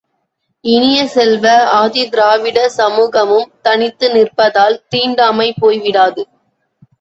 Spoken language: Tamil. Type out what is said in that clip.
இனிய செல்வ, ஆதி திராவிடர் சமூகமும் தனித்து நிற்பதால் தீண்டாமை போய் விடாது.